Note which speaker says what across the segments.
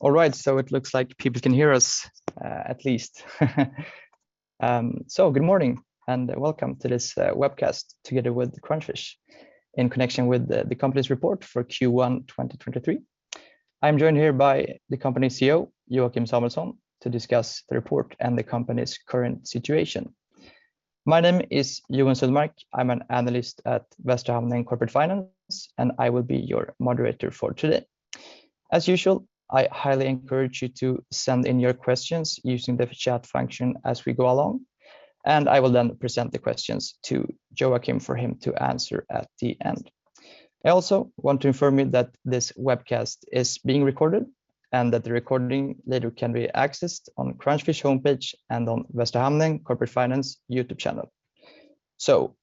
Speaker 1: All right, it looks like people can hear us, at least. Good morning and welcome to this webcast together with Crunchfish in connection with the company's report for Q1 2023. I'm joined here by the company CEO, Joachim Samuelsson, to discuss the report and the company's current situation. My name is Joen Sundmark. I'm an analyst at Västra Hamnen Corporate Finance, and I will be your moderator for today. As usual, I highly encourage you to send in your questions using the chat function as we go along, and I will then present the questions to Joachim for him to answer at the end. I also want to inform you that this webcast is being recorded and that the recording later can be accessed on Crunchfish homepage and on Västra Hamnen Corporate Finance YouTube channel.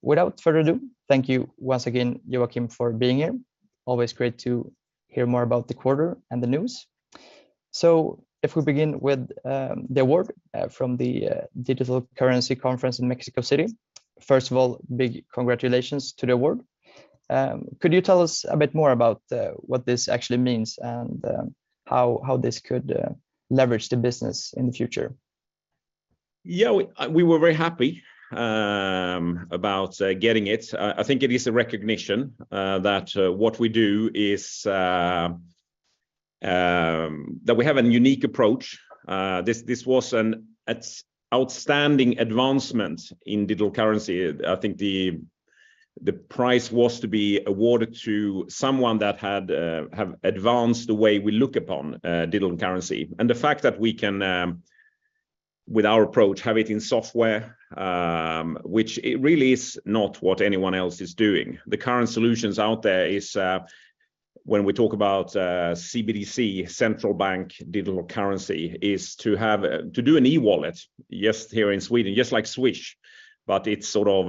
Speaker 1: Without further ado, thank you once again, Joachim, for being here. Always great to hear more about the quarter and the news. If we begin with the award from the Digital Currency Conference in Mexico City, first of all, big congratulations to the award. Could you tell us a bit more about what this actually means and how this could leverage the business in the future?
Speaker 2: Yeah, we were very happy about getting it. I think it is a recognition that what we do is that we have a unique approach. This was an outstanding advancement in Digital Currency. I think the prize was to be awarded to someone that had advanced the way we look upon Digital Currency. The fact that we can, with our approach, have it in software, which it really is not what anyone else is doing. The current solutions out there is when we talk about CBDC, Central Bank Digital Currency, is to do an e-wallet, just here in Sweden, just like Swish, but it's sort of,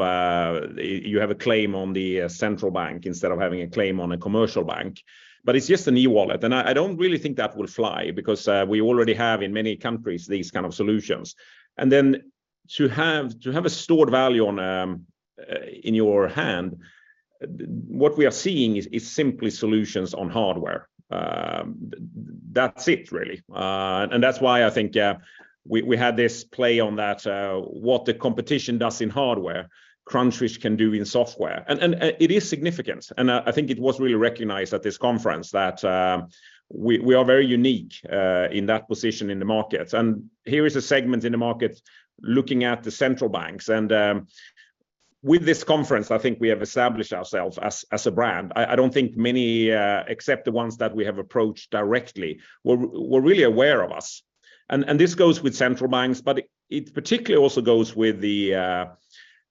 Speaker 2: you have a claim on the central bank instead of having a claim on a commercial bank. It's just an e-wallet, and I don't really think that will fly because we already have in many countries these kind of solutions. To have a stored value on in your hand, what we are seeing is simply solutions on hardware. That's it really. That's why I think we had this play on that what the competition does in hardware, Crunchfish can do in software. It is significant, and I think it was really recognized at this conference that we are very unique in that position in the market. Here is a segment in the market looking at the central banks, and with this conference, I think we have established ourselves as a brand. I don't think many, except the ones that we have approached directly were really aware of us. This goes with central banks, but it particularly also goes with the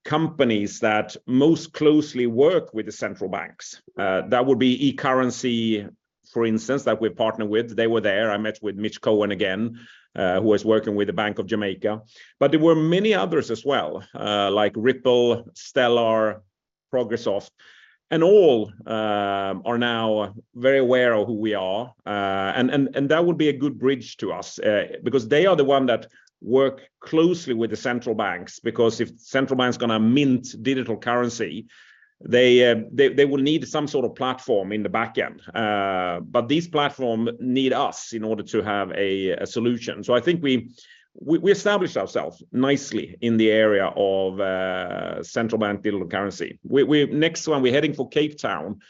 Speaker 2: companies that most closely work with the central banks. That would be eCurrency, for instance, that we partner with. They were there. I met with Mitch Cohen again, who was working with the Bank of Jamaica. There were many others as well, like Ripple, Stellar, ProgressSoft, and all, are now very aware of who we are. That would be a good bridge to us, because they are the one that work closely with the central banks, because if central bank's gonna mint Digital Currency, they will need some sort of platform in the back end. These platform need us in order to have a solution. I think we established ourselves nicely in the area of Central Bank Digital Currency. Next one, we're heading for Cape Town.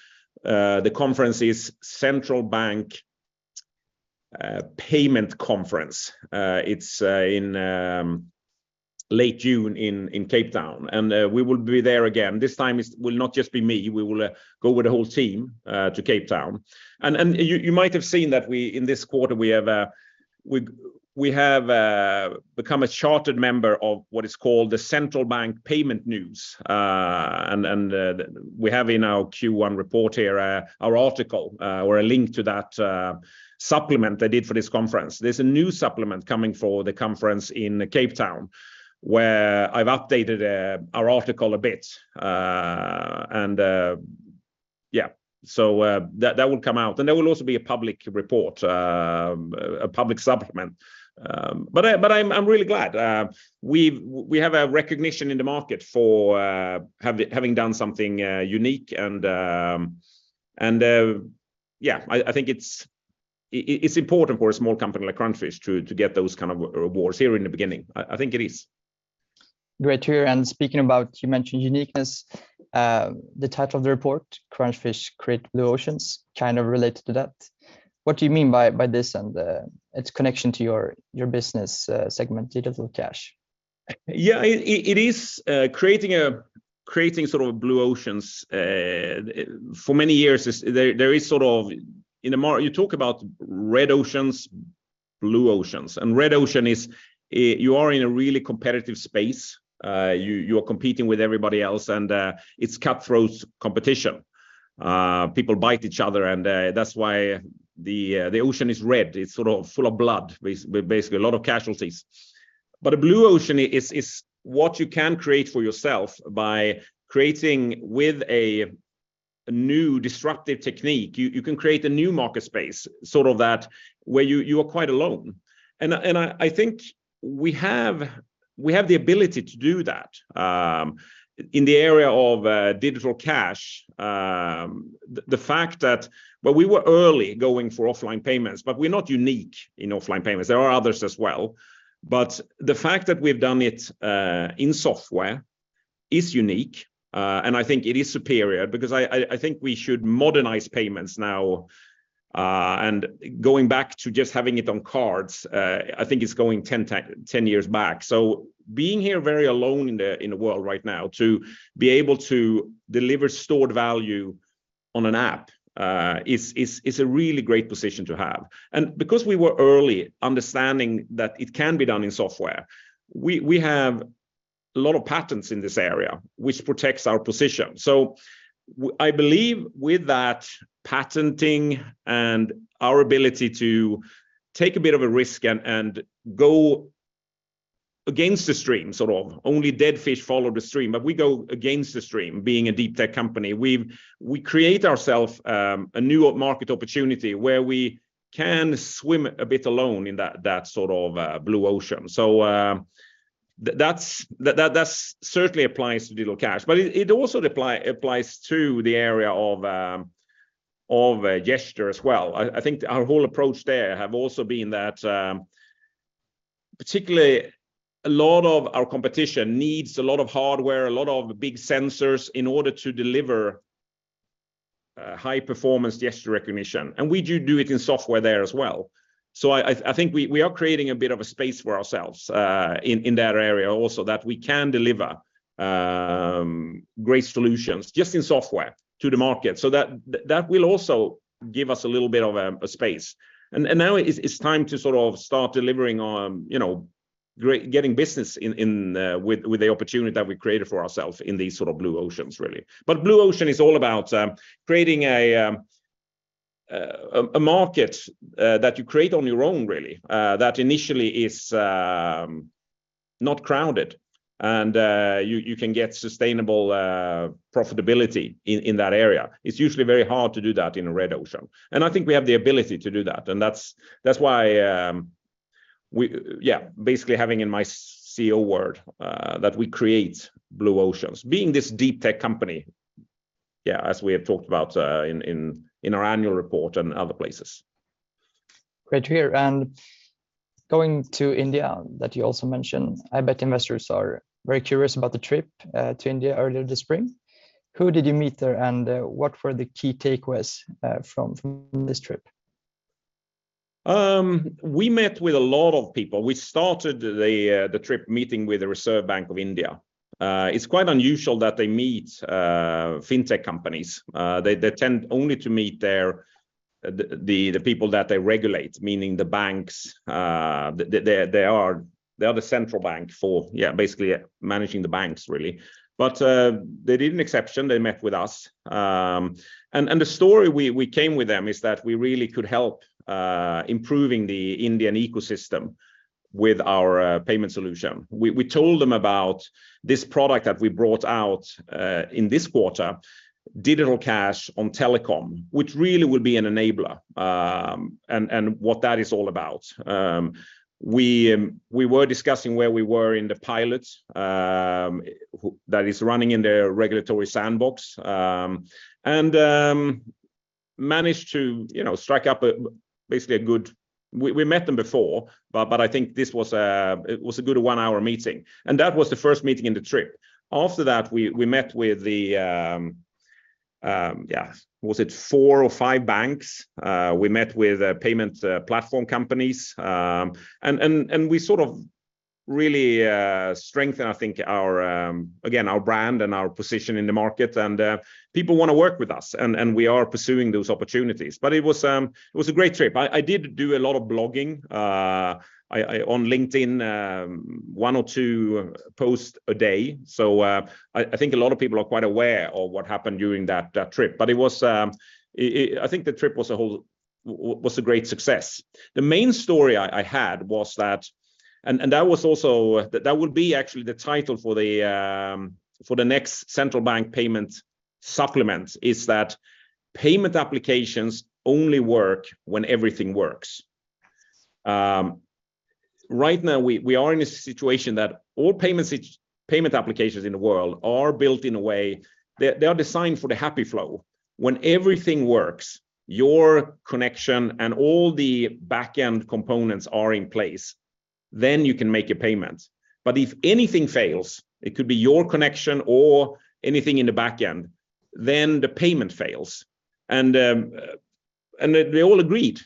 Speaker 2: The conference is Central Bank Payments Conference. It's in late June in Cape Town, and we will be there again. This time it will not just be me. We will go with the whole team to Cape Town. You might have seen that we, in this quarter we have become a chartered member of what is called the Central Bank Payments News. We have in our Q1 report here our article or a link to that supplement I did for this conference. There's a new supplement coming for the conference in Cape Town, where I've updated our article a bit. Yeah. That will come out, and there will also be a public report, a public supplement. I'm really glad. We have a recognition in the market for having done something unique and, yeah, I think it's important for a small company like Crunchfish to get those kind of awards early in the beginning. I think it is.
Speaker 1: Great to hear. Speaking about, you mentioned uniqueness. The title of the report, Crunchfish Create Blue Oceans, kind of related to that. What do you mean by this and its connection to your business segment, Digital Cash?
Speaker 2: Yeah. It is creating a sort of blue oceans, for many years there is sort of in the market you talk about red oceans, blue oceans, and red ocean is, you are in a really competitive space. You're competing with everybody else, and it's cutthroat competition. People bite each other, and that's why the ocean is red. It's sort of full of blood basically a lot of casualties. A blue ocean is what you can create for yourself by creating with a new disruptive technique. You can create a new market space, sort of that where you are quite alone. I think we have the ability to do that, in the area of Digital Cash. The fact that... We were early going for offline payments, but we're not unique in offline payments. There are others as well. The fact that we've done it in software is unique. I think it is superior because I think we should modernize payments now. Going back to just having it on cards, I think is going Ten years back. Being here very alone in the world right now, to be able to deliver stored value on an app, is a really great position to have. Because we were early understanding that it can be done in software, we have a lot of patents in this area which protects our position. I believe with that patenting and our ability to take a bit of a risk and go against the stream, sort of, only dead fish follow the stream, but we go against the stream being a deep tech company. We create ourself a new market opportunity where we can swim a bit alone in that sort of, blue ocean. That's that certainly applies to Digital Cash, but it also applies to the area of gesture as well. I think our whole approach there have also been that particularly a lot of our competition needs a lot of hardware, a lot of big sensors in order to deliver high performance gesture recognition, and we do it in software there as well. I think we are creating a bit of a space for ourselves in that area also that we can deliver great solutions just in software to the market. That will also give us a little bit of a space. Now it's time to sort of start delivering on, you know, great getting business in with the opportunity that we created for ourselves in these sort of blue oceans, really. Blue ocean is all about creating a market that you create on your own really, that initially is not crowded and you can get sustainable profitability in that area. It's usually very hard to do that in a red ocean, and I think we have the ability to do that. That's, that's why, basically having in my CEO word, that we create blue oceans being this deep tech company, yeah, as we have talked about, in our annual report and other places.
Speaker 1: Great to hear. Going to India that you also mentioned, I bet investors are very curious about the trip to India earlier this spring. Who did you meet there, what were the key takeaways from this trip?
Speaker 2: We met with a lot of people. We started the trip meeting with the Reserve Bank of India. It's quite unusual that they meet fintech companies. They tend only to meet their the people that they regulate, meaning the banks. They are the central bank for yeah, basically managing the banks really. They did an exception. They met with us, and the story we came with them is that we really could help improving the Indian ecosystem with our payment solution. We told them about this product that we brought out in this quarter, Digital Cash telecom, which really would be an enabler, and what that is all about. We were discussing where we were in the pilot that is running in the Regulatory Sandbox, and managed to, you know, strike up a, basically a good... We met them before, but I think this was, it was a good one-hour meeting, and that was the first meeting in the trip. After that, we met with the, yeah, was it 4 or 5 banks? We met with payment platform companies. we sort of really strengthened, I think, our again, our brand and our position in the market and people wanna work with us and we are pursuing those opportunities. It was a great trip. I did do a lot of blogging, I, on LinkedIn, one or two posts a day. I think a lot of people are quite aware of what happened during that trip. It was, I think the trip was a whole, was a great success. The main story I had was that, and that was also, that would be actually the title for the next central bank payment supplement, is that payment applications only work when everything works. Right now we are in a situation that all payment applications in the world are built in a way that they are designed for the happy flow. When everything works, your connection and all the back-end components are in place, you can make a payment. If anything fails, it could be your connection or anything in the backend, then the payment fails. They all agreed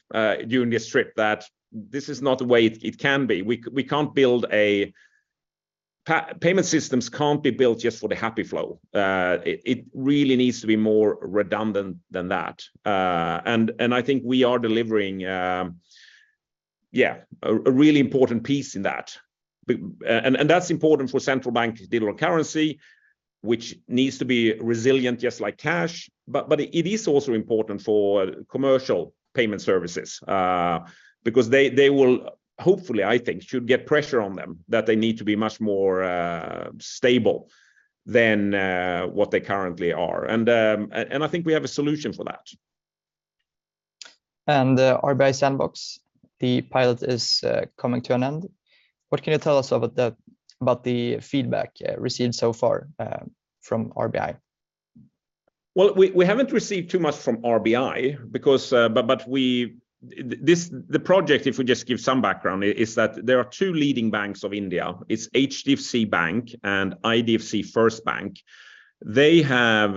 Speaker 2: during this trip that this is not the way it can be. Payment systems can't be built just for the happy flow. It really needs to be more redundant than that. I think we are delivering, yeah, a really important piece in that. That's important for Central Bank's Digital Currency, which needs to be resilient just like cash. It is also important for commercial payment services, because they will hopefully, I think, should get pressure on them that they need to be much more stable than what they currently are. I think we have a solution for that.
Speaker 1: The RBI sandbox the pilot is coming to an end. What can you tell us about the feedback received so far from RBI?
Speaker 2: Well, we haven't received too much from RBI because, but we. This, the project, if we just give some background, is that there are two leading banks of India, it's HDFC Bank and IDFC FIRST Bank. They have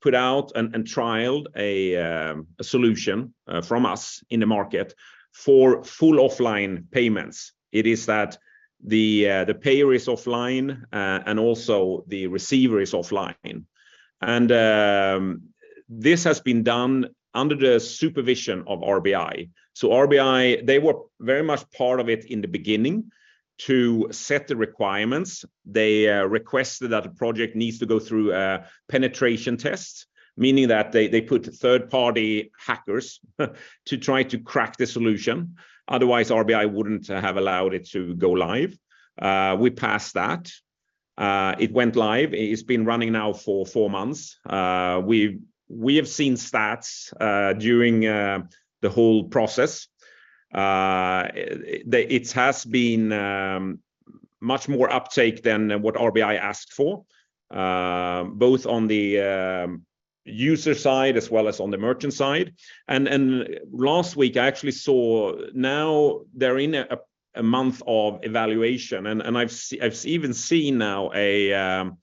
Speaker 2: put out and trialed a solution from us in the market for full offline payments. It is that the payer is offline and also the receiver is offline. This has been done under the supervision of RBI. RBI, they were very much part of it in the beginning to set the requirements. They requested that the project needs to go through penetration tests, meaning that they put third party hackers to try to crack the solution, otherwise RBI wouldn't have allowed it to go live. We passed that. It went live. It's been running now for four months. We have seen stats during the whole process. It has been much more uptake than what RBI asked for, both on the user side as well as on the merchant side. Last week I actually saw. Now they're in a month of evaluation and I've even seen now a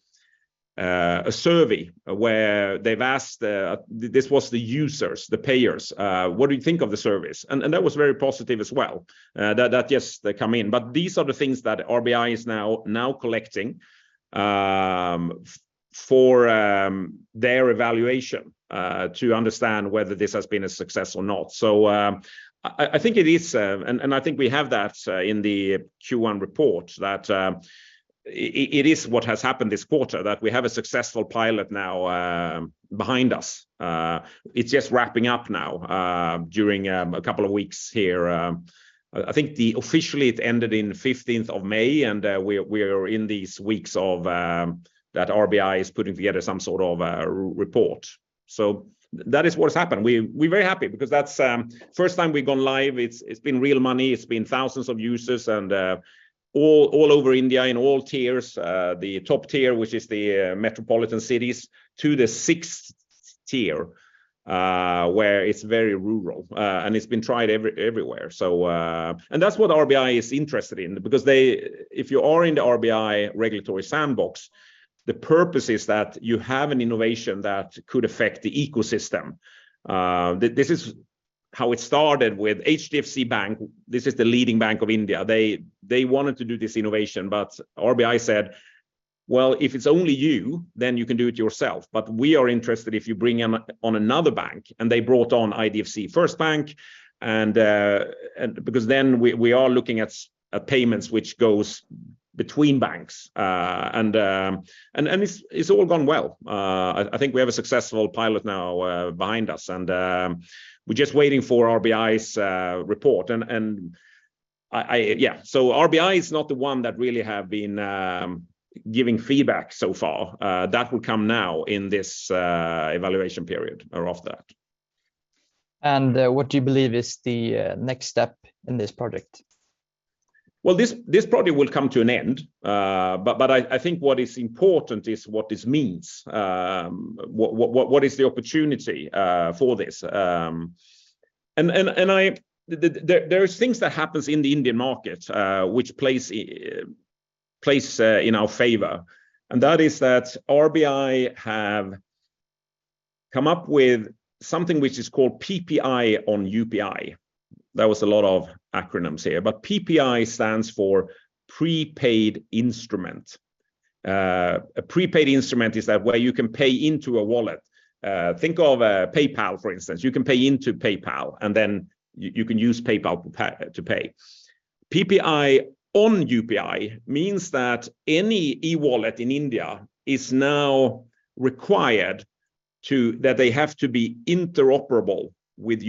Speaker 2: survey where they've asked this was the users, the payers, "What do you think of the service?" That was very positive as well. That, yes, they come in. These are the things that RBI is now collecting for their evaluation to understand whether this has been a success or not. I think it is, and I think we have that in the Q1 report that it is what has happened this quarter, that we have a successful pilot now behind us. It's just wrapping up now during a couple of weeks here. I think officially it ended in 15th of May, and we are in these weeks of that RBI is putting together some sort of a report. That is what has happened. We're very happy because that's first time we've gone live, it's been real money, it's been thousands of users and all over India in all tiers. The top tier, which is the metropolitan cities to the sixth tier, where it's very rural. It's been tried everywhere. That's what RBI is interested in because they, if you are in the RBI regulatory sandbox, the purpose is that you have an innovation that could affect the ecosystem. This is how it started with HDFC Bank. This is the leading bank of India. They wanted to do this innovation, but RBI said, "Well, if it's only you, then you can do it yourself. We are interested if you bring on another bank," they brought on IDFC FIRST Bank because then we are looking at payments which goes between banks. It's all gone well. I think we have a successful pilot now behind us, we're just waiting for RBI's report. I, yeah, so RBI is not the one that really have been giving feedback so far. That will come now in this evaluation period or after that.
Speaker 1: What do you believe is the next step in this project?
Speaker 2: Well, this project will come to an end. I think what is important is what this means. What is the opportunity for this? There's things that happens in the Indian market which plays in our favor. That is that RBI have come up with something which is called PPI on UPI. That was a lot of acronyms here, PPI stands for prepaid instrument. A prepaid instrument is that where you can pay into a wallet. Think of PayPal, for instance. You can pay into PayPal, and then you can use PayPal to pay. PPI on UPI means that any e-wallet in India is now required to, that they have to be interoperable with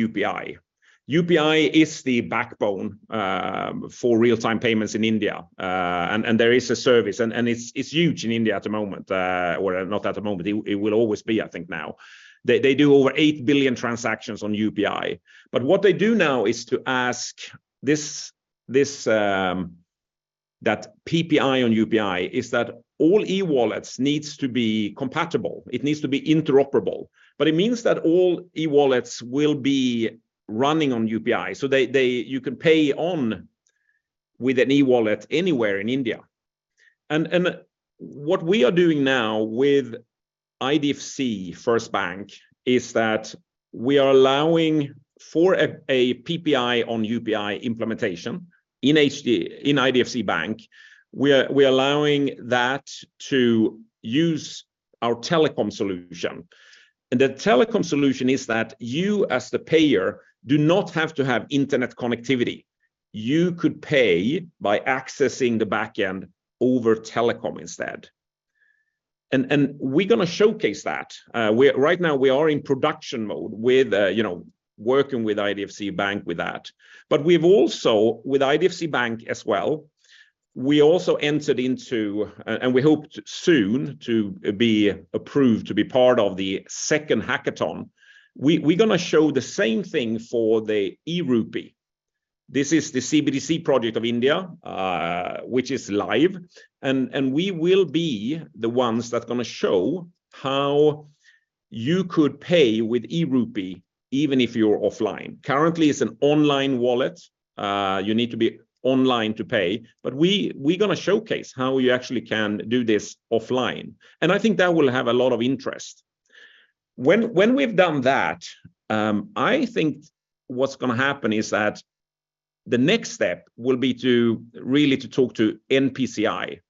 Speaker 2: UPI. UPI is the backbone for real-time payments in India. There is a service and it's huge in India at the moment, or not at the moment, it will always be, I think, now. They do over 8 billion transactions on UPI. What they do now is to ask this, that PPI on UPI is that all e-wallets needs to be compatible, it needs to be interoperable, but it means that all e-wallets will be running on UPI, so they, you can pay on with an e-wallet anywhere in India. What we are doing now with IDFC FIRST Bank is that we are allowing for a PPI on UPI implementation in IDFC FIRST Bank, we are allowing that to use our telecom solution. The telecom solution is that you as the payer do not have to have internet connectivity. You could pay by accessing the backend over telecom instead. We're gonna showcase that. Right now we are in production mode with, you know, working with IDFC Bank with that. We've also, with IDFC Bank as well, we also entered into, and we hope soon to be approved to be part of the second hackathon. We're gonna show the same thing for the e-Rupee. This is the CBDC project of India, which is live and we will be the ones that's gonna show how you could pay with e-Rupee even if you're offline. Currently it's an online wallet, you need to be online to pay. We're gonna showcase how you actually can do this offline, and I think that will have a lot of interest. When we've done that, I think what's gonna happen is that the next step will be to really to talk to NPCI.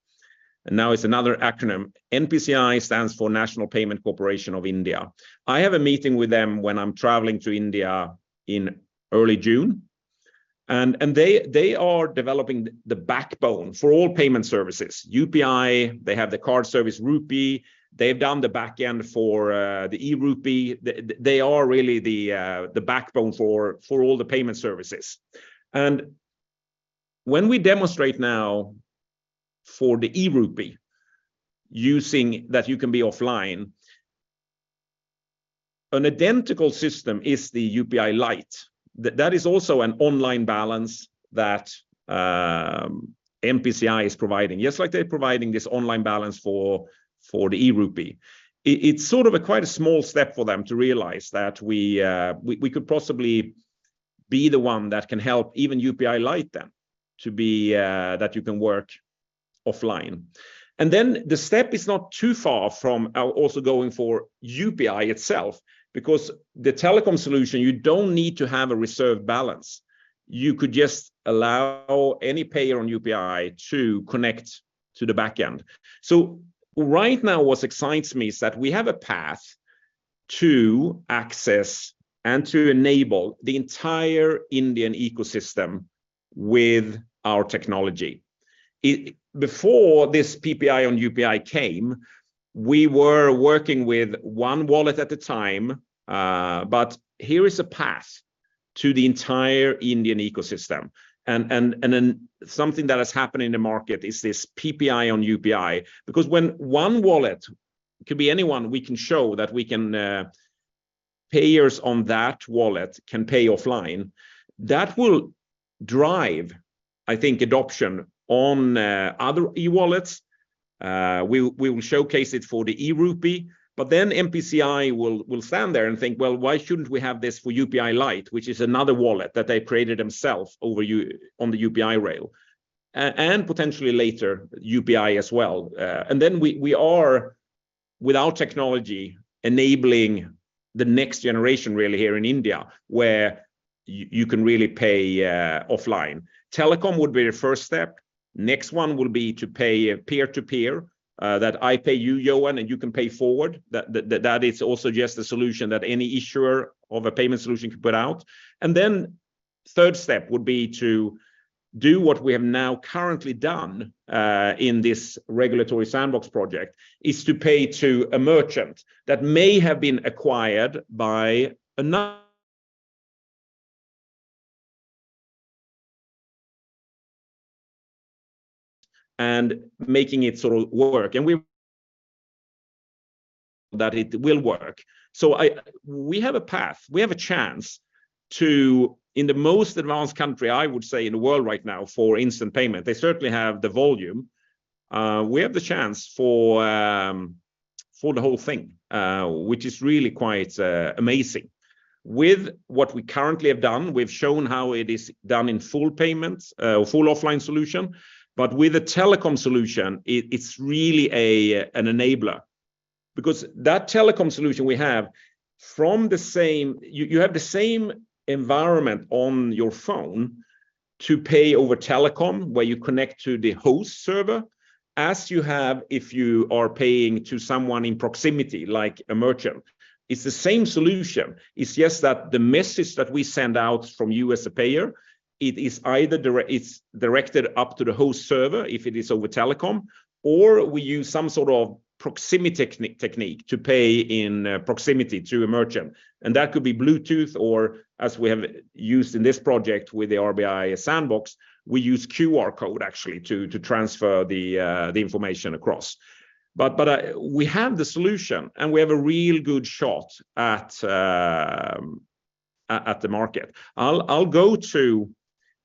Speaker 2: Now it's another acronym. NPCI stands for National Payments Corporation of India. I have a meeting with them when I'm traveling to India in early June. They are developing the backbone for all payment services. UPI, they have the card service RuPay, they've done the backend for the e-Rupee. They are really the backbone for all the payment services. When we demonstrate now for the e-Rupee using... That you can be offline, an identical system is the UPI Lite. That is also an online balance that NPCI is providing, just like they're providing this online balance for the e-Rupee. It's sort of a quite a small step for them to realize that we could possibly be the one that can help even UPI Lite then to be. That you can work offline. The step is not too far from also going for UPI itself, because the telecom solution, you don't need to have a reserve balance. You could just allow any payer on UPI to connect to the backend. Right now what excites me is that we have a path to access and to enable the entire Indian ecosystem with our technology. Before this PPI on UPI came, we were working with one wallet at a time, here is a path to the entire Indian ecosystem and then something that has happened in the market is this PPI on UPI. When one wallet, could be anyone, we can show that we can payers on that wallet can pay offline, that will drive, I think, adoption on other e-wallets. We will showcase it for the e-Rupee, but then NPCI will stand there and think, "Well, why shouldn't we have this for UPI Lite?" Which is another wallet that they created themselves on the UPI rail. Potentially later UPI as well. Then we are, with our technology, enabling the next generation really here in India, where you can really pay offline. Telecom would be the first step. Next one will be to pay peer-to-peer, that I pay you, Joen, and you can pay forward. That is also just a solution that any issuer of a payment solution could put out. Then third step would be to do what we have now currently done in this Regulatory Sandbox project, is to pay to a merchant that may have been acquired by another... Making it sort of work. That it will work. We have a path, we have a chance to, in the most advanced country I would say in the world right now for instant payment, they certainly have the volume. We have the chance for the whole thing, which is really quite amazing. With what we currently have done, we've shown how it is done in full payments, full offline solution. With a telecom solution, it's really an enabler because that telecom solution we have from the same... You have the same environment on your phone to pay over telecom, where you connect to the host server, as you have if you are paying to someone in proximity, like a merchant. It's the same solution. It's just that the message that we send out from you as a payer, it is either it's directed up to the host server if it is over telecom, or we use some sort of proximity technique to pay in proximity to a merchant, and that could be Bluetooth or, as we have used in this project with the RBI sandbox, we use QR code actually to transfer the information across. We have the solution, and we have a real good shot at the market. I'll go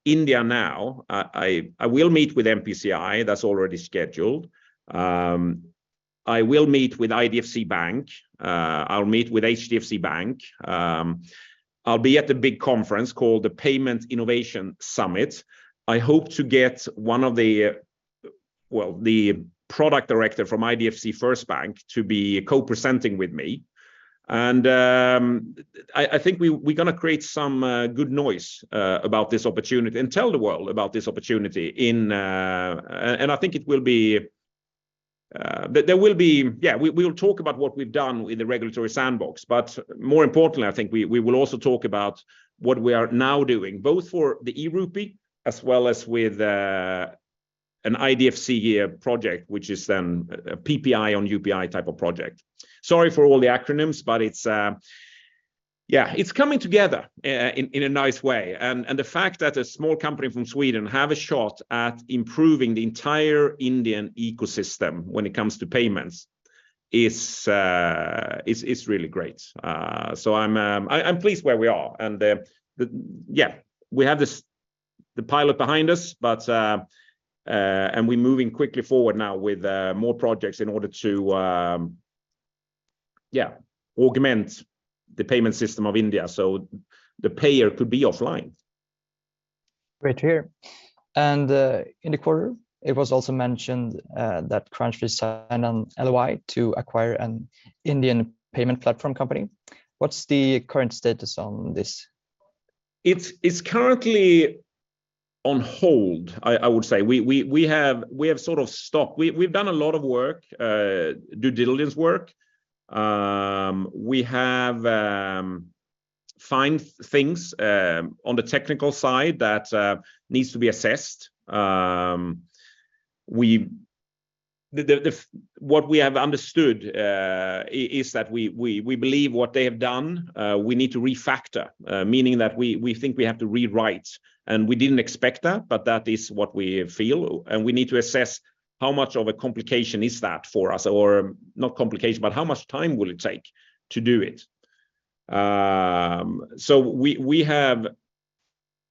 Speaker 2: to India now. I will meet with NPCI, that's already scheduled. I will meet with IDFC Bank. I'll meet with HDFC Bank. I'll be at the big conference called the Payment Innovation Summit. I hope to get one of the product director from IDFC FIRST Bank to be co-presenting with me. I think we're gonna create some good noise about this opportunity and tell the world about this opportunity in. I think it will be. There will be. Yeah, we'll talk about what we've done with the regulatory sandbox, but more importantly I think we will also talk about what we are now doing, both for the e-Rupee as well as with an IDFC project, which is a PPI on UPI type of project. Sorry for all the acronyms, but it's, yeah, it's coming together in a nice way. The fact that a small company from Sweden have a shot at improving the entire Indian ecosystem when it comes to payments is really great. I'm pleased where we are. The pilot behind us, but we're moving quickly forward now with more projects in order to augment the payment system of India so the payer could be offline.
Speaker 1: Great to hear. In the quarter, it was also mentioned that Crunch signed an LOI to acquire an Indian payment platform company. What's the current status on this?
Speaker 2: It's currently on hold, I would say. We have sort of stopped. We've done a lot of work, due diligence work. We have find things on the technical side that needs to be assessed. What we have understood is that we believe what they have done, we need to refactor, meaning that we think we have to rewrite. We didn't expect that, but that is what we feel. We need to assess how much of a complication is that for us, or not complication, but how much time will it take to do it?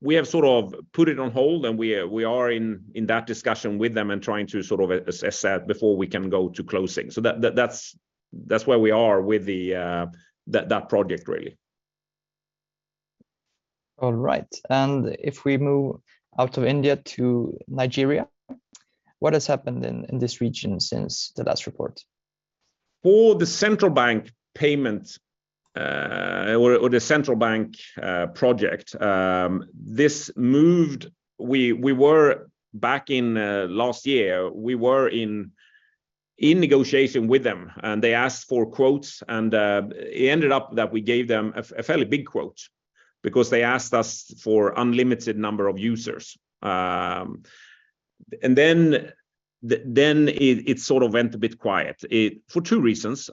Speaker 2: We have sort of put it on hold, and we are in that discussion with them and trying to sort of assess that before we can go to closing. That's where we are with the that project really.
Speaker 1: All right. If we move out of India to Nigeria, what has happened in this region since the last report?
Speaker 2: For the central bank payment, or the central bank project, this moved. We were back in last year, we were in negotiation with them. They asked for quotes, and it ended up that we gave them a fairly big quote because they asked us for unlimited number of users. Then it sort of went a bit quiet for two reasons.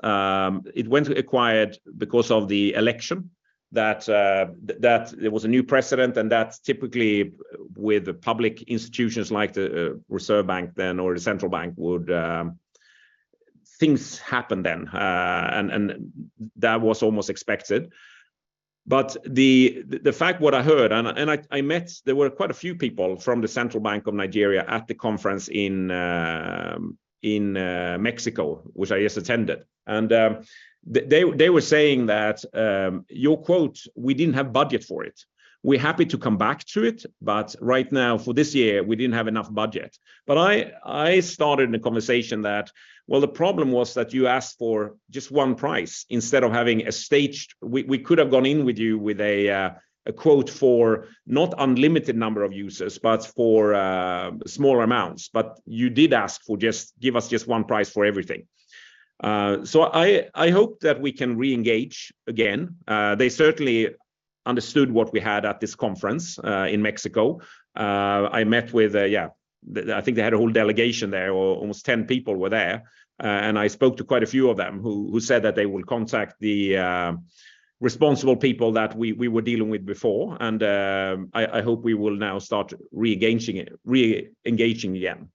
Speaker 2: It went quiet because of the election that there was a new president. That's typically with public institutions like the reserve bank then or the central bank would. Things happen then. That was almost expected. The fact what I heard and I met, there were quite a few people from the Central Bank of Nigeria at the conference in Mexico, which I just attended. They were saying that, "Your quote, we didn't have budget for it. We're happy to come back to it, but right now, for this year, we didn't have enough budget." I started a conversation that, "Well, the problem was that you asked for just one price instead of having a staged... We could have gone in with you with a quote for not unlimited number of users, but for smaller amounts. You did ask for just give us just one price for everything." I hope that we can reengage again. They certainly understood what we had at this conference in Mexico. I met with, yeah, I think they had a whole delegation there, or almost 10 people were there, and I spoke to quite a few of them who said that they will contact the responsible people that we were dealing with before, and I hope we will now start re-engaging again.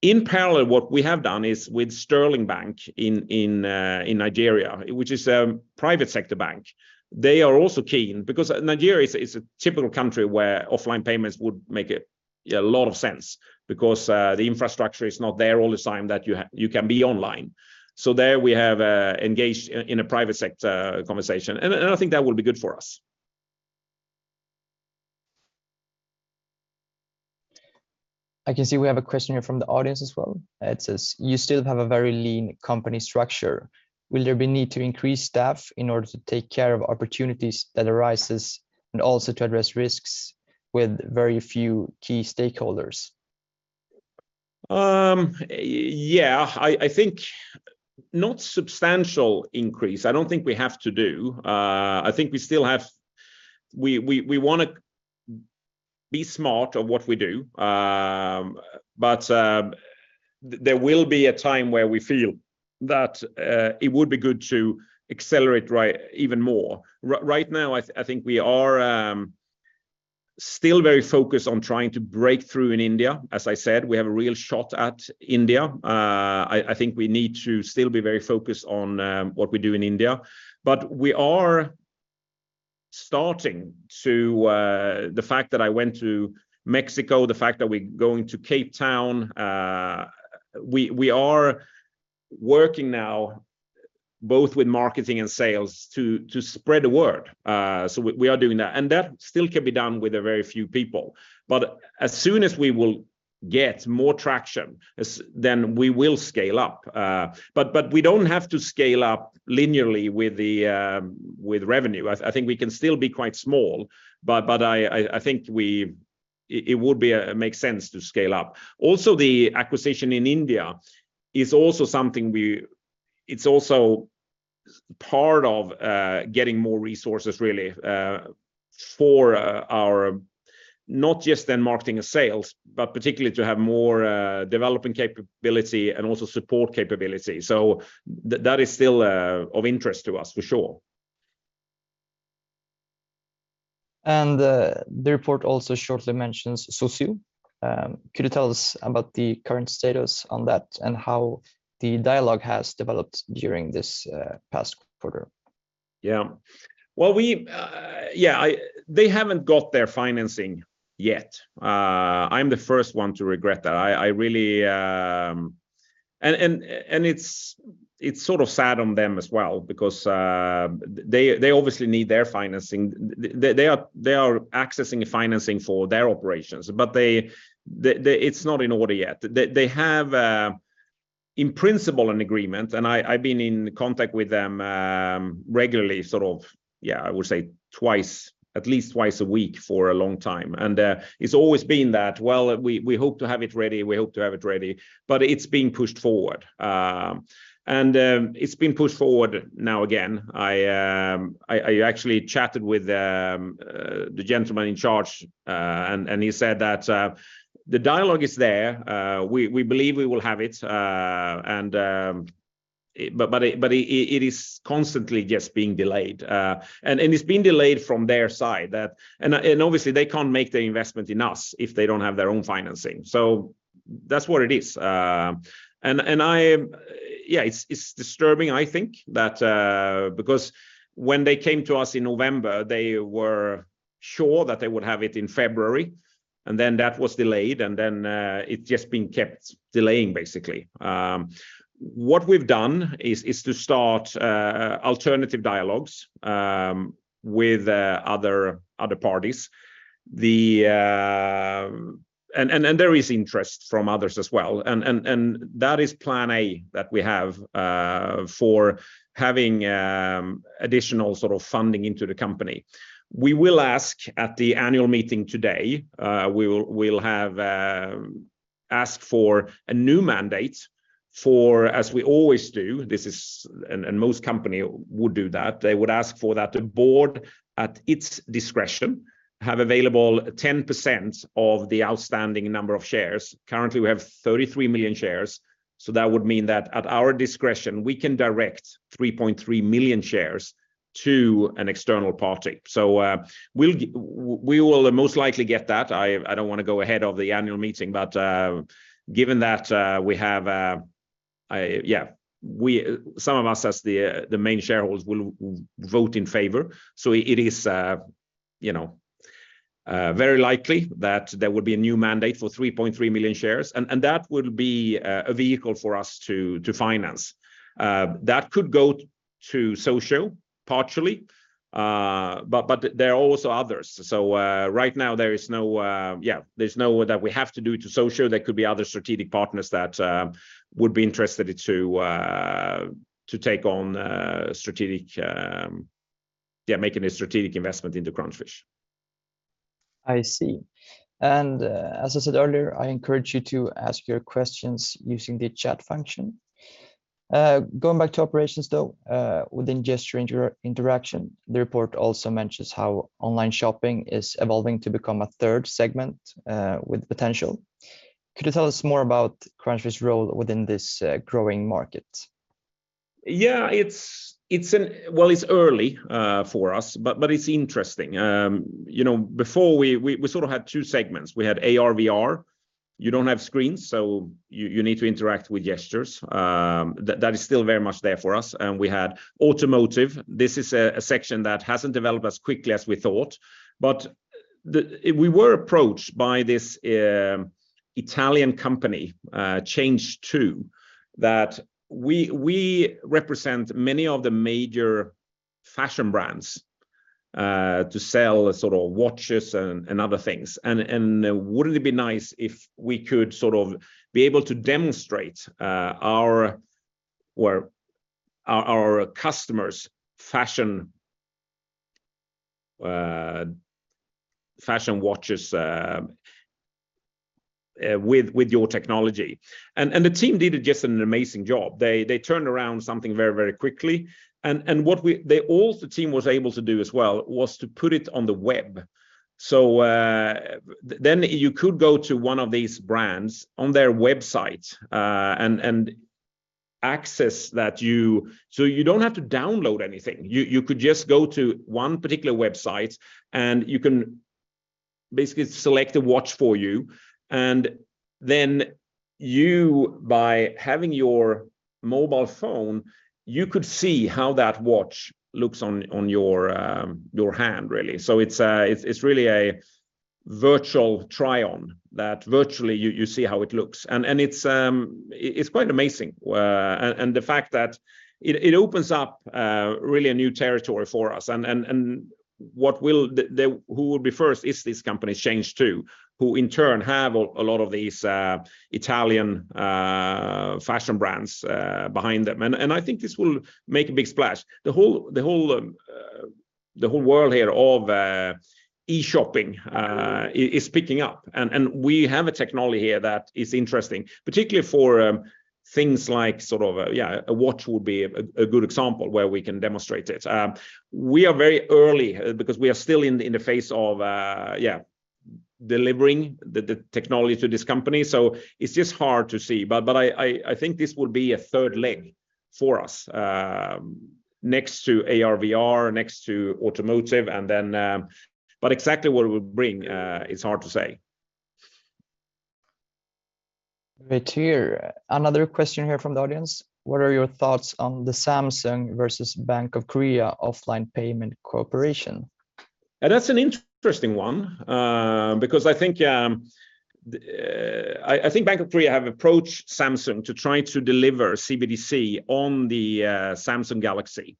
Speaker 2: In parallel, what we have done is with Sterling Bank in Nigeria, which is a private sector bank, they are also keen because Nigeria is a typical country where offline payments would make a lot of sense because the infrastructure is not there all the time that you can be online. There we have, engaged in a private sector conversation, and I think that will be good for us.
Speaker 1: I can see we have a question here from the audience as well. It says, "You still have a very lean company structure. Will there be need to increase staff in order to take care of opportunities that arises and also to address risks with very few key stakeholders?
Speaker 2: Yeah, I think not substantial increase. I don't think we have to do. I think we still have. We wanna be smart on what we do, but there will be a time where we feel that it would be good to accelerate, right, even more. Right now, I think we are still very focused on trying to break through in India. As I said, we have a real shot at India. I think we need to still be very focused on what we do in India. We are starting to, the fact that I went to Mexico, the fact that we're going to Cape Town, we are working now both with marketing and sales to spread the word. We are doing that. That still can be done with a very few people. As soon as we will get more traction, then we will scale up. We don't have to scale up linearly with the with revenue. I think we can still be quite small, but I think it would be a, make sense to scale up. The acquisition in India is also something it's also part of getting more resources really for our not just then marketing and sales, but particularly to have more developing capability and also support capability. That is still of interest to us for sure.
Speaker 1: The report also shortly mentions Socio. Could you tell us about the current status on that and how the dialogue has developed during this past quarter?
Speaker 2: Well, we, yeah, they haven't got their financing yet. I'm the first one to regret that. I really. It's sort of sad on them as well because they obviously need their financing. They are accessing financing for their operations, but it's not in order yet. They have, in principle, an agreement, and I've been in contact with them regularly, sort of, yeah, I would say twice, at least twice a week for a long time. It's always been that, "Well, we hope to have it ready, we hope to have it ready," but it's been pushed forward. It's been pushed forward now again. I actually chatted with the gentleman in charge, and he said that, "The dialogue is there. We believe we will have it, and it is constantly just being delayed." It's been delayed from their side that. Obviously they can't make the investment in us if they don't have their own financing. That's what it is. I... Yeah, it's disturbing, I think, that, because when they came to us in November, they were sure that they would have it in February, and then that was delayed, and then, it's just been kept delaying basically. What we've done is to start alternative dialogues, with other parties. The... There is interest from others as well, and that is plan A that we have for having additional sort of funding into the company. We will ask at the annual meeting today, we will have ask for a new mandate for, as we always do, this is. Most company would do that. They would ask for that the board, at its discretion, have available 10% of the outstanding number of shares. Currently, we have 33 million shares, so that would mean that at our discretion, we can direct 3.3 million shares to an external party. We will most likely get that. I don't wanna go ahead of the annual meeting, but given that we have some of us as the main shareholders will vote in favor. It is, you know, very likely that there will be a new mandate for 3.3 million shares, and that will be a vehicle for us to finance. That could go to Socio partially, but there are also others. Right now there is no, there's no way that we have to do to Socio. There could be other strategic partners that would be interested to take on strategic, making a strategic investment into Crunchfish.
Speaker 1: I see. As I said earlier, I encourage you to ask your questions using the chat function. Going back to operations though, within gesture interaction, the report also mentions how online shopping is evolving to become a third segment with potential. Could you tell us more about Crunchfish's role within this growing market?
Speaker 2: Well, it's early for us, but it's interesting. You know, before we sort of had two segments. We had AR/VR. You don't have screens, so you need to interact with gestures. That is still very much there for us. We had automotive. This is a section that hasn't developed as quickly as we thought. We were approached by this Italian company, Change2, that we represent many of the major fashion brands to sell sort of watches and other things, and wouldn't it be nice if we could sort of be able to demonstrate our customers' fashion fashion watches with your technology. The team did just an amazing job. They turned around something very, very quickly and what they, all the team was able to do as well was to put it on the web. Then you could go to one of these brands on their website and access that you... You don't have to download anything. You could just go to one particular website, and you can basically select a watch for you, and then you, by having your mobile phone, you could see how that watch looks on your hand really. It's really a virtual try-on that virtually you see how it looks. It's quite amazing. The fact that it opens up really a new territory for us. Who will be first is this company Change2, who in turn have a lot of these Italian fashion brands behind them. I think this will make a big splash. The whole world here of e-shopping is picking up, and we have a technology here that is interesting, particularly for things like sort of a watch would be a good example where we can demonstrate it. We are very early because we are still in the phase of delivering the technology to this company, so it's just hard to see. I think this will be a third leg for us next to AR/VR, next to automotive, and then. Exactly what it will bring is hard to say.
Speaker 1: Right here. Another question here from the audience. What are your thoughts on the Samsung versus Bank of Korea offline payment cooperation?
Speaker 2: That's an interesting one, because I think Bank of Korea have approached Samsung to try to deliver CBDC on the Samsung Galaxy.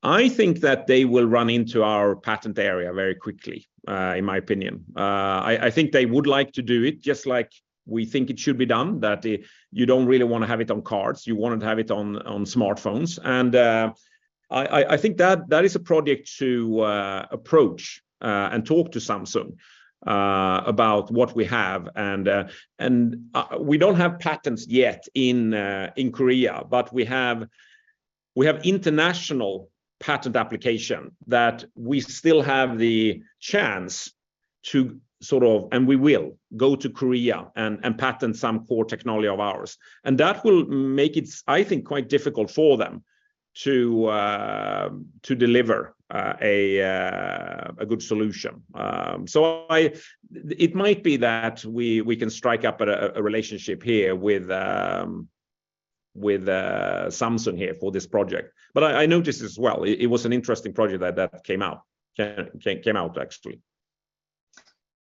Speaker 2: I think that they will run into our patent area very quickly, in my opinion. I think they would like to do it just like we think it should be done, that you don't really wanna have it on cards. You want to have it on smartphones. I think that that is a project to approach and talk to Samsung about what we have. We don't have patents yet in Korea, but we have international patent application that we still have the chance to sort of. We will go to Korea and patent some core technology of ours. That will make it, I think, quite difficult for them to deliver a good solution. It might be that we can strike up a relationship here with Samsung here for this project. I noticed as well, it was an interesting project that came out, came out actually.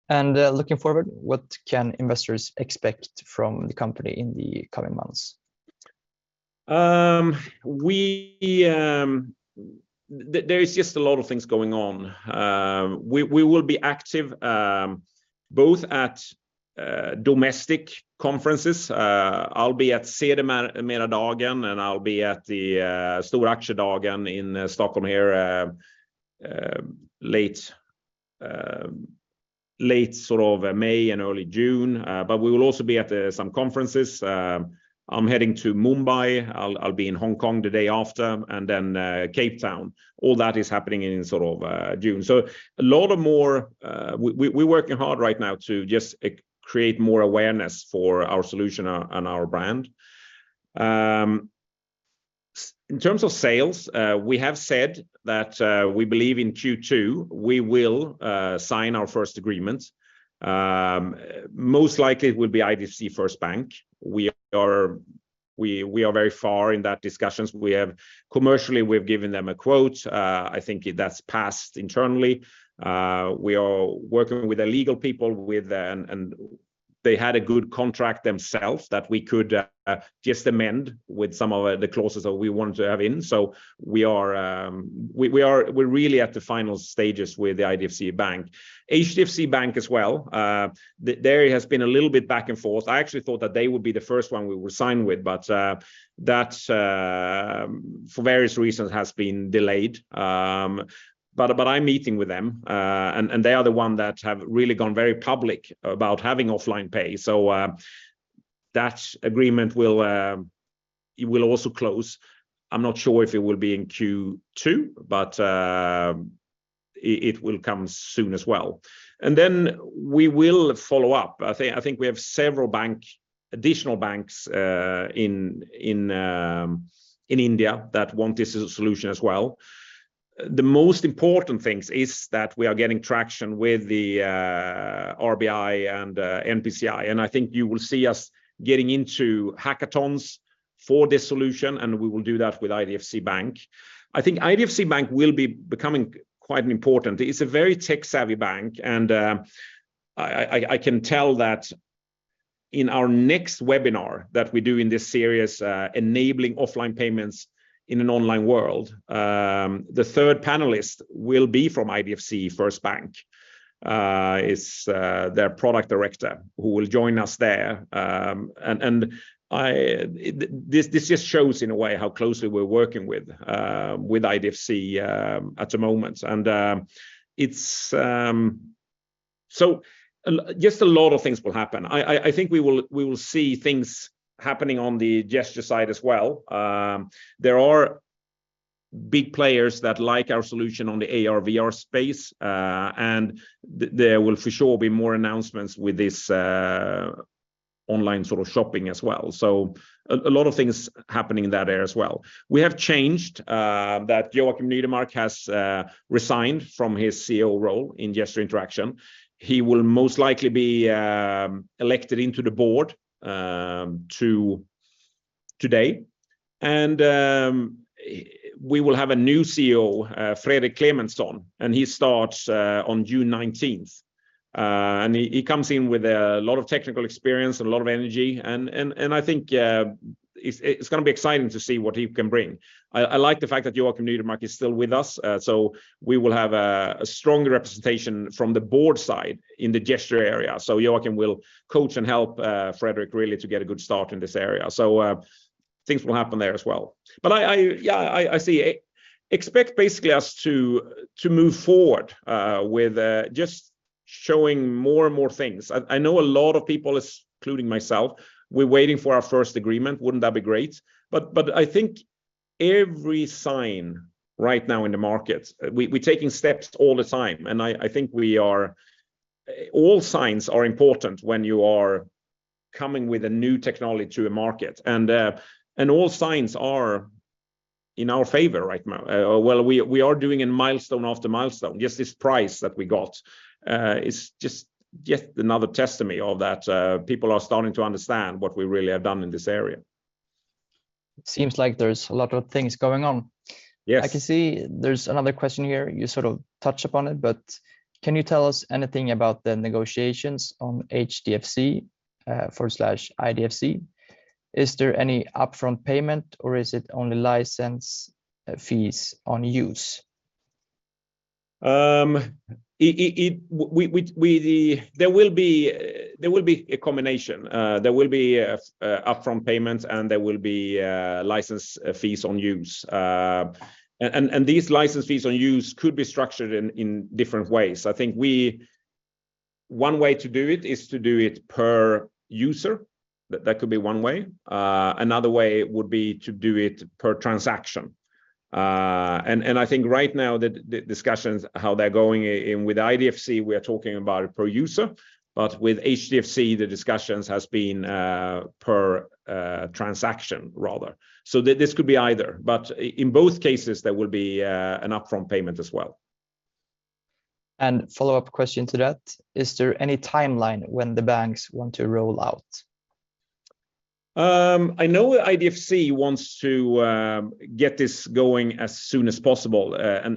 Speaker 1: Looking forward, what can investors expect from the company in the coming months?
Speaker 2: We, there is just a lot of things going on. We will be active, both at domestic conferences. I'll be at CDMA MedDagen, and I'll be at the Stora Aktiedagen in Stockholm here, late sort of May and early June. We will also be at some conferences. I'm heading to Mumbai. I'll be in Hong Kong the day after and then Cape Town. All that is happening in sort of June. A lot of more. We working hard right now to just create more awareness for our solution and our brand. In terms of sales, we have said that we believe in Q2 we will sign our first agreement. Most likely it will be IDFC FIRST Bank. We are very far in that discussions. Commercially, we've given them a quote. I think that's passed internally. We are working with the legal people with. They had a good contract themselves that we could just amend with some of the clauses that we wanted to have in. We're really at the final stages with the IDFC Bank. HDFC Bank as well. There it has been a little bit back and forth. I actually thought that they would be the first one we will sign with, but that's for various reasons has been delayed. I'm meeting with them. They are the one that have really gone very public about having offline pay. That agreement will, it will also close. I'm not sure if it will be in Q2, but, it will come soon as well. We will follow up. I think we have several bank, additional banks, in India that want this as a solution as well. The most important things is that we are getting traction with the RBI and NPCI, I think you will see us getting into hackathons for this solution, and we will do that with IDFC Bank. I think IDFC Bank will be becoming quite important. It's a very tech-savvy bank, I can tell that in our next webinar that we do in this series, Enabling Offline Payments in an Online World, the third panelist will be from IDFC FIRST Bank. It's their product director who will join us there. I... this just shows in a way how closely we're working with IDFC at the moment. It's just a lot of things will happen. I think we will see things happening on the Gesture side as well. There are big players that like our solution on the AR/VR space. There will for sure be more announcements with this online sort of shopping as well. A lot of things happening in that area as well. We have changed that Joakim Nydemark has resigned from his CEO role in Gesture Interaction. He will most likely be elected into the board today, and we will have a new CEO, Fredrik Clementson, and he starts on June 19th. He comes in with a lot of technical experience and a lot of energy and I think it's gonna be exciting to see what he can bring. I like the fact that Joakim Nydemark is still with us, so we will have a strong representation from the board side in the Gesture area. Joakim will coach and help Fredrik really to get a good start in this area. Things will happen there as well. I, yeah, I see expect basically us to move forward with just showing more and more things. I know a lot of people, including myself, we're waiting for our first agreement. Wouldn't that be great? But I think every sign right now in the market, we're taking steps all the time, and I think All signs are important when you are coming with a new technology to the market. All signs are in our favor right now. Well, we are doing in milestone after milestone. Just this prize that we got is just yet another testimony of that people are starting to understand what we really have done in this area.
Speaker 1: Seems like there's a lot of things going on.
Speaker 2: Yes.
Speaker 1: I can see there's another question here. You sort of touched upon it, but can you tell us anything about the negotiations on HDFC, forward slash IDFC? Is there any upfront payment, or is it only license, fees on use?
Speaker 2: There will be a combination. There will be a upfront payment, and there will be license fees on use. These license fees on use could be structured in different ways. I think one way to do it is to do it per user. That could be one way. Another way would be to do it per transaction. I think right now the discussions, how they're going in with IDFC, we are talking about it per user. With HDFC, the discussions has been per transaction rather. This could be either, but in both cases, there will be an upfront payment as well.
Speaker 1: Follow-up question to that, is there any timeline when the banks want to roll out?
Speaker 2: I know IDFC wants to get this going as soon as possible.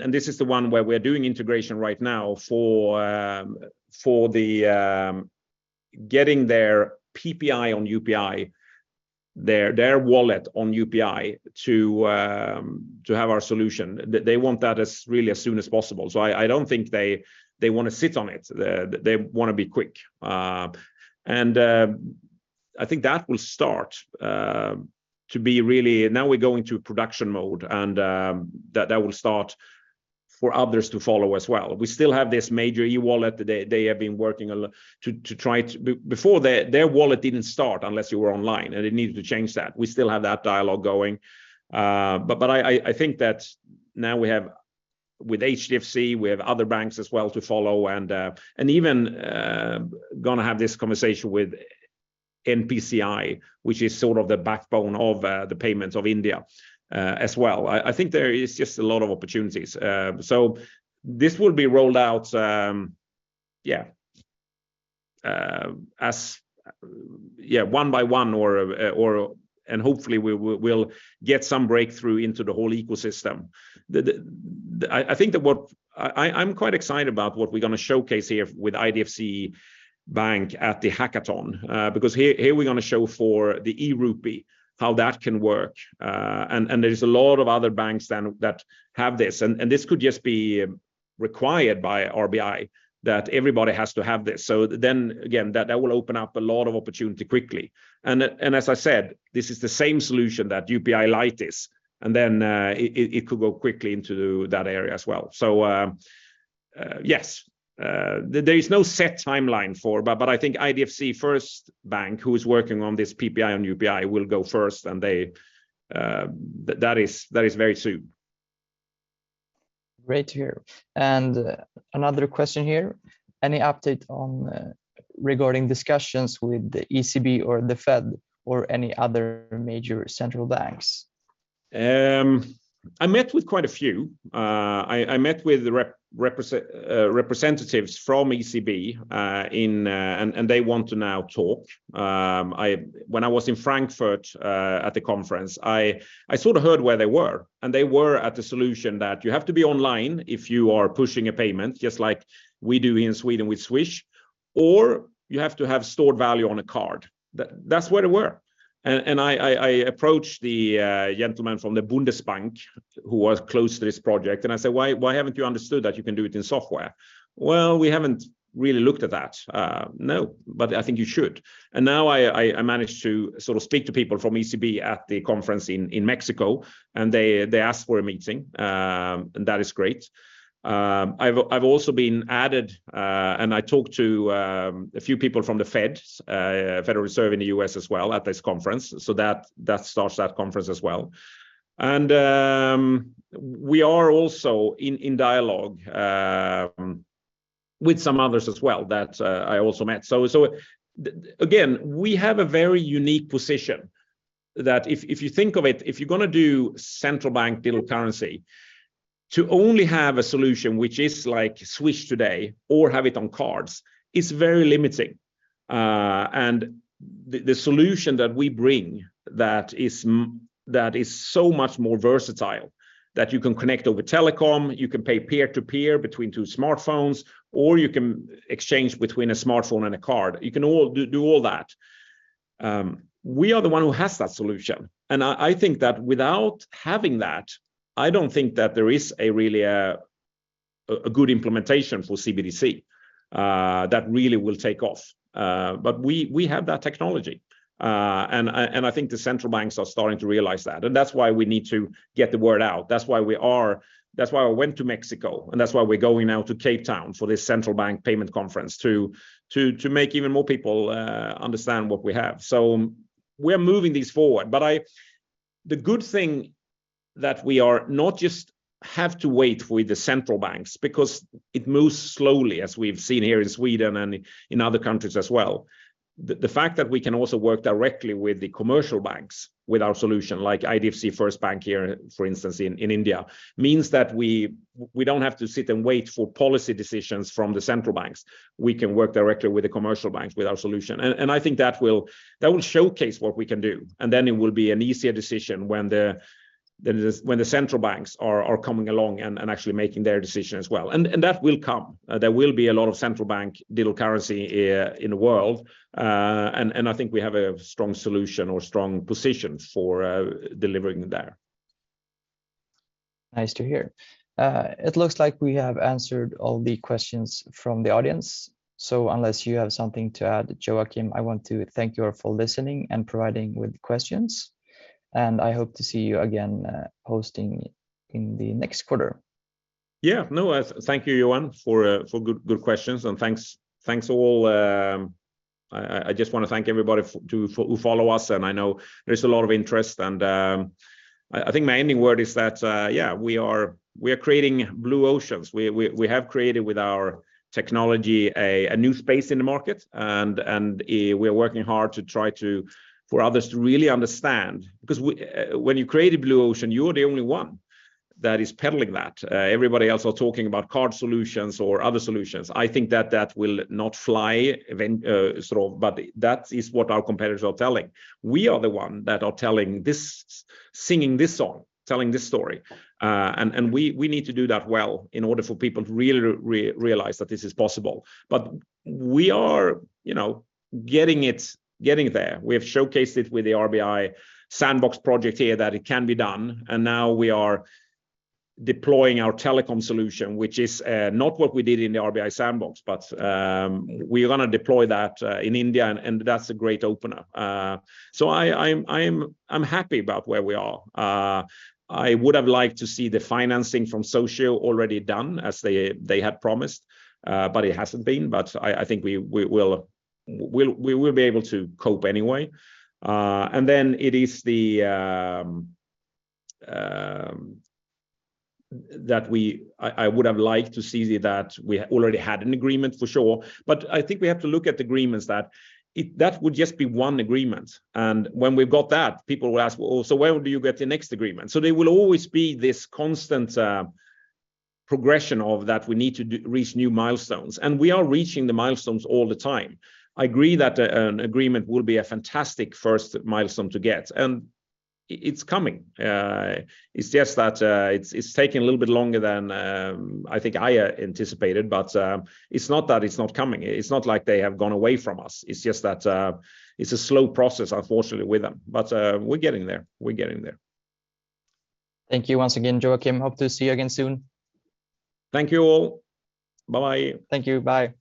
Speaker 2: This is the one where we're doing integration right now for the getting their PPI on UPI, their wallet on UPI to have our solution. They want that as really as soon as possible. I don't think they wanna sit on it. They wanna be quick. I think that will start. Now we go into production mode, that will start for others to follow as well. We still have this major e-wallet they have been working to try to before their wallet didn't start unless you were online, and they needed to change that. We still have that dialogue going. I think that now we have, with HDFC, we have other banks as well to follow and even gonna have this conversation with NPCI, which is sort of the backbone of the payments of India as well. I think there is just a lot of opportunities. This will be rolled out, yeah, as, yeah, one by one or. Hopefully, we'll get some breakthrough into the whole ecosystem. I think that what I'm quite excited about what we're gonna showcase here with IDFC Bank at the hackathon. Here we're gonna show for the e-Rupee, how that can work. There is a lot of other banks then that have this. This could just be required by RBI that everybody has to have this. Again, that will open up a lot of opportunity quickly. As I said, this is the same solution that UPI Lite is, and it could go quickly into that area as well. Yes, there is no set timeline for, but I think IDFC FIRST Bank, who is working on this PPI on UPI, will go first, and that is very soon.
Speaker 1: Great to hear. Another question here. Any update on regarding discussions with the ECB or the Fed or any other major central banks?
Speaker 2: I met with quite a few. I met with representatives from ECB in. They want to now talk. When I was in Frankfurt at the conference, I sort of heard where they were, and they were at the solution that you have to be online if you are pushing a payment, just like we do here in Sweden with Swish, or you have to have stored value on a card. That's where they were. I approached the gentleman from the Bundesbank who was close to this project, and I said, "Why haven't you understood that you can do it in software?" "Well, we haven't really looked at that." "No, but I think you should." Now I managed to sort of speak to people from ECB at the conference in Mexico, and they asked for a meeting, and that is great. I've also been added, and I talked to a few people from the Fed, Federal Reserve in the US as well, at this conference, so that starts that conference as well. We are also in dialogue with some others as well that I also met. Again, we have a very unique position that if you think of it, if you're gonna do Central Bank Digital Currency, to only have a solution which is like Swish today or have it on cards is very limiting. And the solution that we bring that is so much more versatile, that you can connect over telecom, you can pay peer to peer between two smartphones, or you can exchange between a smartphone and a card. You can all do all that. We are the one who has that solution. I think that without having that, I don't think that there is a really a good implementation for CBDC that really will take off. We have that technology. I think the central banks are starting to realize that. That's why we need to get the word out. That's why I went to Mexico, and that's why we're going now to Cape Town for this Central Bank Payments Conference to make even more people understand what we have. We're moving this forward. The good thing that we are not just have to wait with the central banks because it moves slowly as we've seen here in Sweden and in other countries as well. The fact that we can also work directly with the commercial banks with our solution like IDFC FIRST Bank here, for instance, in India, means that we don't have to sit and wait for policy decisions from the central banks. We can work directly with the commercial banks with our solution. I think that will showcase what we can do, and then it will be an easier decision when the central banks are coming along and actually making their decision as well. That will come. There will be a lot of Central Bank Digital Currency in the world, and I think we have a strong solution or strong position for delivering there.
Speaker 1: Nice to hear. It looks like we have answered all the questions from the audience. Unless you have something to add, Joachim, I want to thank you all for listening and providing with questions. I hope to see you again, hosting in the next quarter.
Speaker 2: Yeah. No, thank you, Joen, for good questions, and thanks all. I just wanna thank everybody to who follow us, and I know there's a lot of interest. I think my ending word is that, yeah, we are creating blue oceans. We have created with our technology a new space in the market, and we're working hard to try to for others to really understand. 'Cause when you create a blue ocean, you're the only one that is peddling that. Everybody else are talking about card solutions or other solutions. I think that will not fly when that is what our competitors are telling. We are the one that are telling this singing this song, telling this story, and we need to do that well in order for people to really realize that this is possible. We are, you know, getting it, getting there. We have showcased it with the RBI Sandbox project here that it can be done, and now we are deploying our telecom solution, which is not what we did in the RBI Sandbox, but we're gonna deploy that in India, and that's a great opener. I'm happy about where we are. I would have liked to see the financing from Socio already done as they had promised, but it hasn't been. I think we will be able to cope anyway. I would have liked to see that we already had an agreement for sure. I think we have to look at agreements that would just be one agreement. When we've got that, people will ask, "Well, so where will you get your next agreement?" There will always be this constant progression of that we need to reach new milestones, and we are reaching the milestones all the time. I agree that an agreement will be a fantastic first milestone to get, and it's coming. It's just that it's taking a little bit longer than I think I anticipated. It's not that it's not coming. It's not like they have gone away from us. It's just that it's a slow process unfortunately with them. We're getting there. We're getting there.
Speaker 1: Thank you once again, Joachim. Hope to see you again soon.
Speaker 2: Thank you all. Bye-bye.
Speaker 1: Thank you. Bye.